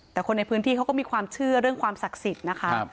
แต่คนในพื้นที่เขาก็มีความเชื่อเรื่องความศักดิ์สิทธิ์นะคะ